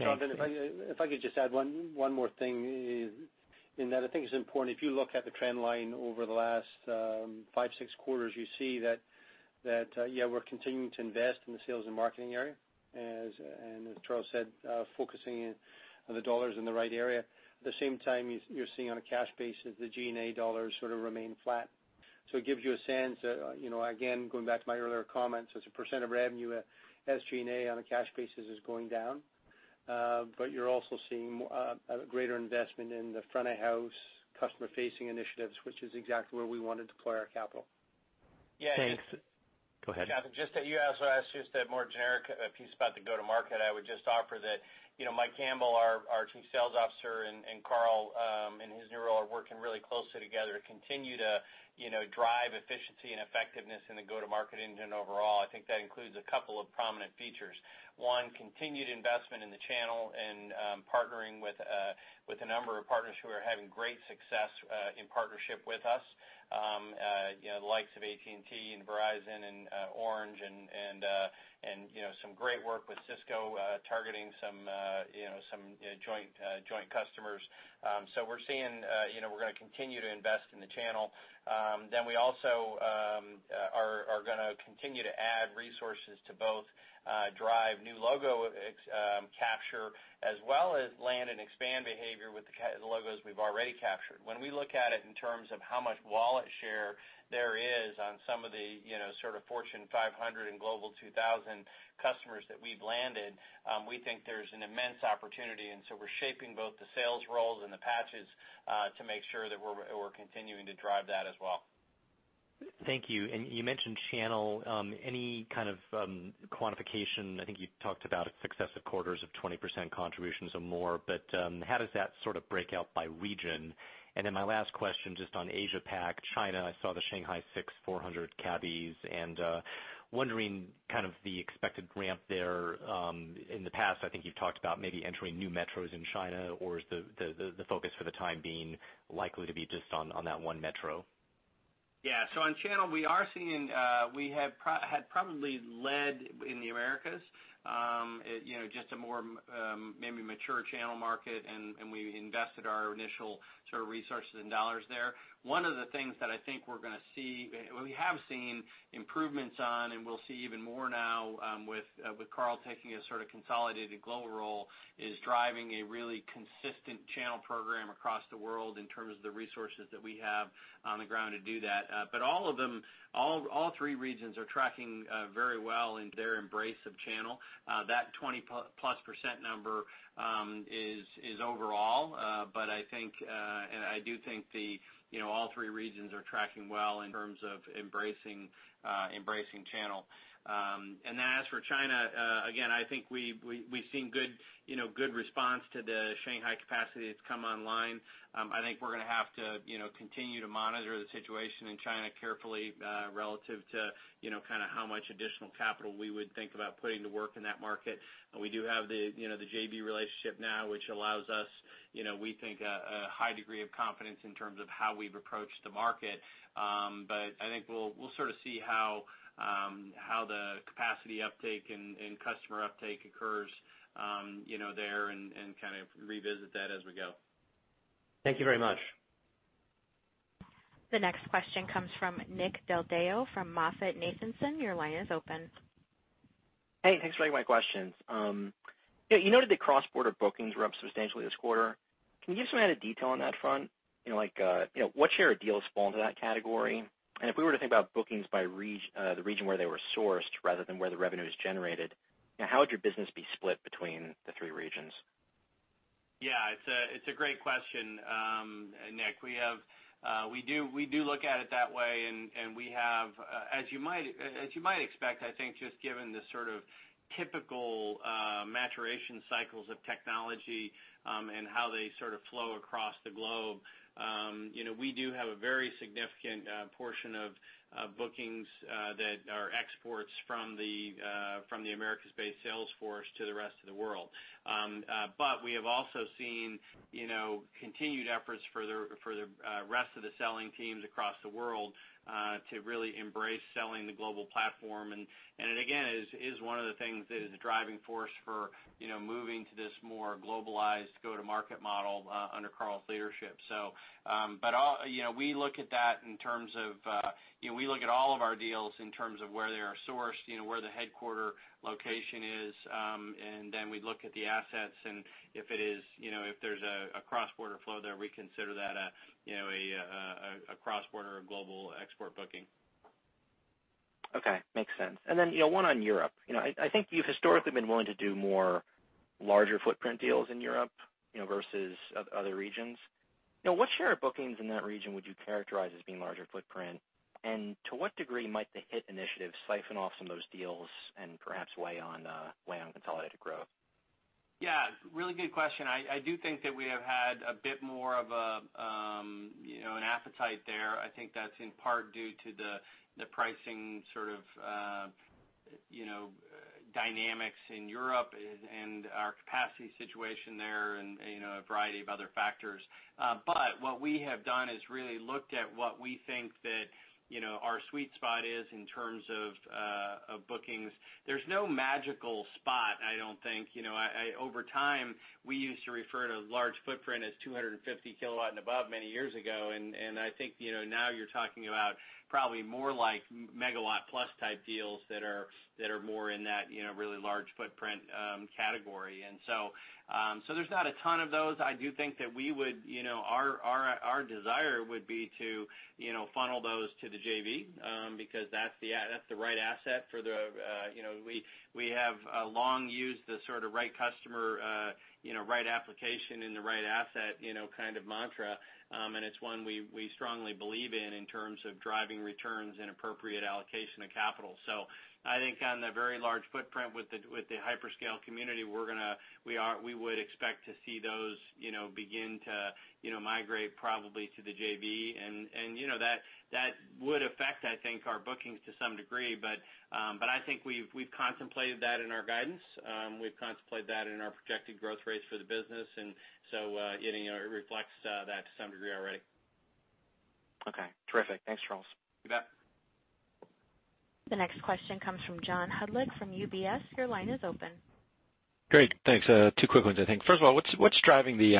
Jonathan, if I could just add one more thing in that I think is important. If you look at the trend line over the last five, six quarters, you see that, yeah, we're continuing to invest in the sales and marketing area, as Charles said, focusing the dollars in the right area. At the same time, you're seeing on a cash basis, the G&A dollars sort of remain flat. It gives you a sense, again, going back to my earlier comments, as a percent of revenue, SG&A on a cash basis is going down. You're also seeing a greater investment in the front-of-house, customer-facing initiatives, which is exactly where we want to deploy our capital. Thanks. Go ahead. Jonathan, just that you asked us just that more generic piece about the go-to-market, I would just offer that Mike Campbell, our Chief Sales Officer, and Karl in his new role, are working really closely together to continue to drive efficiency and effectiveness in the go-to-market engine overall. I think that includes a couple of prominent features. One, continued investment in the channel and partnering with a number of partners who are having great success in partnership with us. The likes of AT&T and Verizon and Orange, and some great work with Cisco, targeting some joint customers. We're going to continue to invest in the channel. We also are going to continue to add resources to both drive new logo capture as well as land-and-expand behavior with the logos we've already captured. When we look at it in terms of how much wallet share there is on some of the sort of Fortune 500 and Global 2000 customers that we've landed, we think there's an immense opportunity. We're shaping both the sales roles and the patches to make sure that we're continuing to drive that as well. Thank you. You mentioned channel. How does that sort of break out by region? My last question, just on Asia Pac, China, I saw the Shanghai 6,400 cabinets, and wondering the expected ramp there. In the past, I think you've talked about maybe entering new metros in China, or is the focus for the time being likely to be just on that one metro? Yeah. On channel, we had probably led in the Americas, just a more maybe mature channel market, and we invested our initial sort of resources and dollars there. One of the things that I think we have seen improvements on, and we'll see even more now with Karl taking a sort of consolidated global role, is driving a really consistent channel program across the world in terms of the resources that we have on the ground to do that. All of them, all three regions are tracking very well in their embrace of channel. That 20-plus % number is overall, but I do think all three regions are tracking well in terms of embracing channel. As for China, again, I think we've seen good response to the Shanghai capacity that's come online. I think we're going to have to continue to monitor the situation in China carefully, relative to how much additional capital we would think about putting to work in that market. We do have the JV relationship now, which allows us, we think, a high degree of confidence in terms of how we've approached the market. I think we'll sort of see how the capacity uptake and customer uptake occurs there and kind of revisit that as we go. Thank you very much. The next question comes from Nick Del Deo from MoffettNathanson. Your line is open. Hey, thanks for taking my questions. You noted the cross-border bookings were up substantially this quarter. Can you give some added detail on that front? Like, what share of deals fall into that category? If we were to think about bookings by the region where they were sourced rather than where the revenue is generated, how would your business be split between the three regions? Yeah, it's a great question, Nick. We do look at it that way, and we have, as you might expect, I think just given the sort of typical maturation cycles of technology, and how they sort of flow across the globe. We do have a very significant portion of bookings that are exports from the Americas-based sales force to the rest of the world. We have also seen continued efforts for the rest of the selling teams across the world to really embrace selling the global platform. It again, is one of the things that is a driving force for moving to this more globalized go-to-market model under Karl's leadership. We look at all of our deals in terms of where they are sourced, where the headquarter location is, and then we look at the assets and if there's a cross-border flow there, we consider that a cross-border or global export booking. Okay. Makes sense. Then, one on Europe. I think you've historically been willing to do more larger footprint deals in Europe versus other regions. Now, what share of bookings in that region would you characterize as being larger footprint? To what degree might the HIT initiative siphon off some of those deals and perhaps weigh on consolidated growth? Yeah, really good question. I do think that we have had a bit more of an appetite there. I think that's in part due to the pricing sort of dynamics in Europe and our capacity situation there, and a variety of other factors. What we have done is really looked at what we think that our sweet spot is in terms of bookings. There's no magical spot, I don't think. Over time, we used to refer to large footprint as 250 kilowatt and above many years ago, and I think now you're talking about probably more like megawatt plus type deals that are more in that really large footprint category. So there's not a ton of those. I do think that our desire would be to funnel those to the JV, because that's the right asset for the We have long used the sort of right customer, right application and the right asset kind of mantra. It's one we strongly believe in terms of driving returns and appropriate allocation of capital. I think on the very large footprint with the hyperscale community, we would expect to see those begin to migrate probably to the JV, and that would affect, I think, our bookings to some degree. I think we've contemplated that in our guidance. We've contemplated that in our projected growth rates for the business. It reflects that to some degree already. Okay, terrific. Thanks, Charles. You bet. The next question comes from John Hodulik from UBS. Your line is open. Great. Thanks. Two quick ones, I think. First of all, what's driving the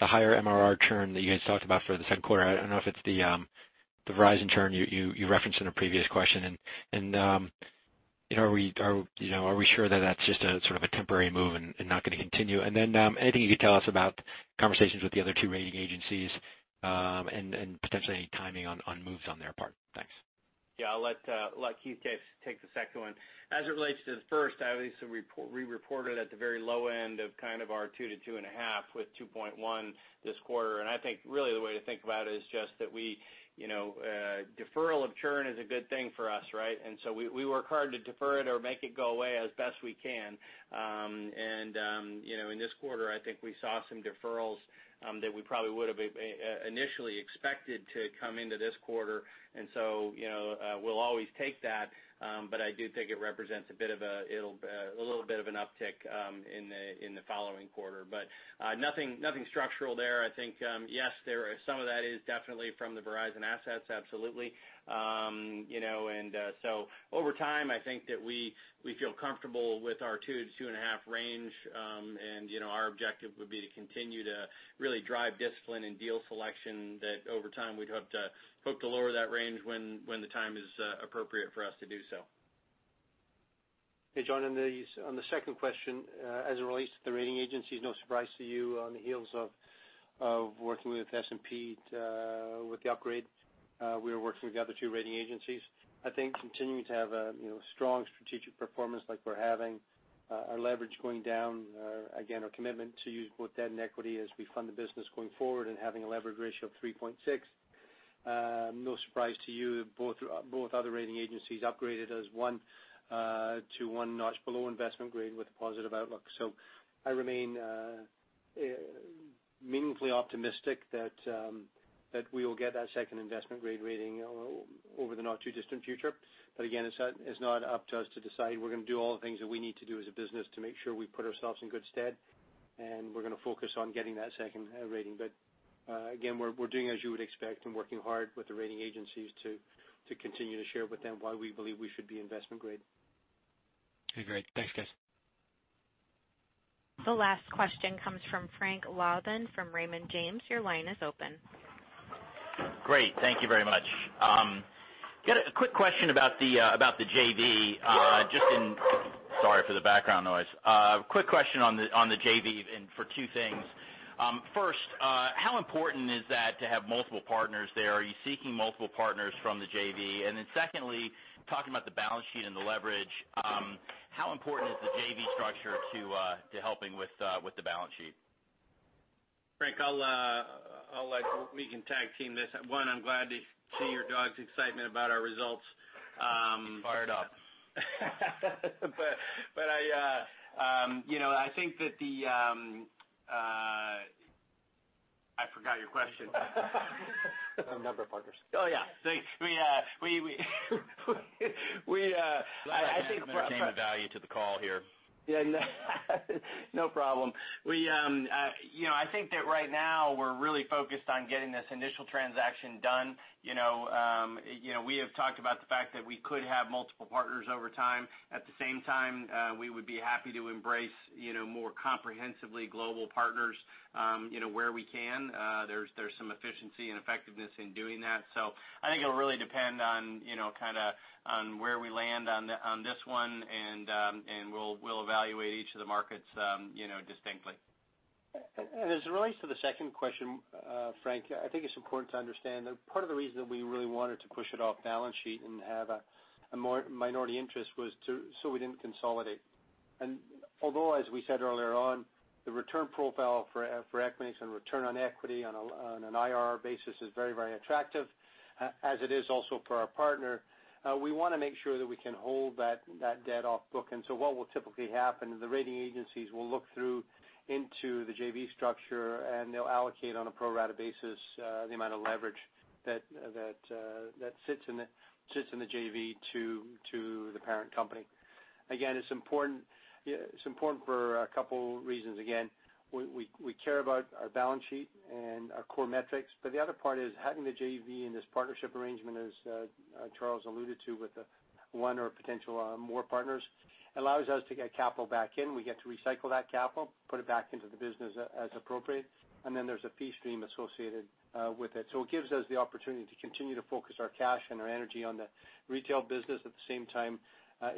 higher MRR churn that you guys talked about for the second quarter? I don't know if it's the Verizon churn you referenced in a previous question, and are we sure that that's just a sort of a temporary move and not going to continue? Anything you could tell us about conversations with the other two rating agencies, and potentially any timing on moves on their part. Thanks. I'll let Keith take the second one. As it relates to the first, obviously we reported at the very low end of kind of our 2%-2.5%, with 2.1% this quarter. I think really the way to think about it is just that deferral of churn is a good thing for us, right? We work hard to defer it or make it go away as best we can. In this quarter, I think we saw some deferrals that we probably would have initially expected to come into this quarter. We'll always take that, but I do think it represents a little bit of an uptick in the following quarter. Nothing structural there. I think, yes, some of that is definitely from the Verizon assets, absolutely. Over time, I think that we feel comfortable with our 2%-2.5% range. Our objective would be to continue to really drive discipline and deal selection that over time, we'd hope to lower that range when the time is appropriate for us to do so. Hey, John, on the second question, as it relates to the rating agencies, no surprise to you, on the heels of working with S&P with the upgrade, we are working with the other two rating agencies. I think continuing to have a strong strategic performance like we're having, our leverage going down, again, our commitment to use both debt and equity as we fund the business going forward and having a leverage ratio of 3.6. No surprise to you, both other rating agencies upgraded us to one notch below investment grade with a positive outlook. I remain meaningfully optimistic that we will get that second investment-grade rating over the not-too-distant future. Again, it's not up to us to decide. We're going to do all the things that we need to do as a business to make sure we put ourselves in good stead, and we're going to focus on getting that second rating. Again, we're doing as you would expect and working hard with the rating agencies to continue to share with them why we believe we should be investment grade. Okay, great. Thanks, guys. The last question comes from Frank Louthan from Raymond James. Your line is open. Great. Thank you very much. Got a quick question about the JV. Sorry for the background noise. A quick question on the JV and for two things. First, how important is that to have multiple partners there? Are you seeking multiple partners from the JV? Secondly, talking about the balance sheet and the leverage, how important is the JV structure to helping with the balance sheet? Frank, we can tag team this. One, I'm glad to see your dog's excitement about our results. Fired up. I forgot your question. The number of partners. Oh, yeah. I think. I think I've entertained the value to the call here. No problem. I think that right now we're really focused on getting this initial transaction done. We have talked about the fact that we could have multiple partners over time. At the same time, we would be happy to embrace more comprehensively global partners where we can. There's some efficiency and effectiveness in doing that. I think it'll really depend on where we land on this one, and we'll evaluate each of the markets distinctly. As it relates to the second question, Frank, I think it's important to understand that part of the reason that we really wanted to push it off balance sheet and have a minority interest was so we didn't consolidate. Although, as we said earlier on, the return profile for equities and return on equity on an IRR basis is very attractive, as it is also for our partner, we want to make sure that we can hold that debt off book. What will typically happen is the rating agencies will look through into the JV structure, and they'll allocate on a pro rata basis, the amount of leverage that sits in the JV to the parent company. Again, it's important for a couple reasons. We care about our balance sheet and our core metrics, the other part is having the JV in this partnership arrangement, as Charles alluded to, with one or potential more partners, allows us to get capital back in. We get to recycle that capital, put it back into the business as appropriate, and then there's a fee stream associated with it. It gives us the opportunity to continue to focus our cash and our energy on the retail business, at the same time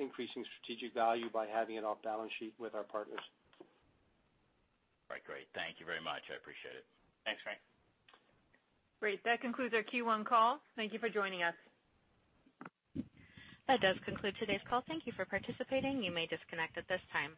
increasing strategic value by having it off balance sheet with our partners. Right. Great. Thank you very much. I appreciate it. Thanks, Frank. Great. That concludes our Q1 call. Thank you for joining us. That does conclude today's call. Thank you for participating. You may disconnect at this time.